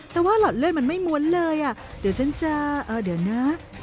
แต่ว่าหลอดเลือดมันไม่ม้วนเลยอ่ะเดี๋ยวฉันจะเดี๋ยวนะ